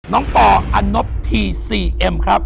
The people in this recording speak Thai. น้องป่าวอันนบทีสี่เอ็มครับ